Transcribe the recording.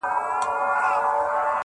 جهنم ته ځه چي ځاي دي سي اورونه!!